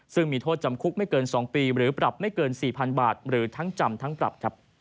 ซึ่งมีโทษจำคุกไม่เกิน๒ปีหรือปรับไม่เกิน๔๐๐๐บาทหรือทั้งจำทั้งปรับ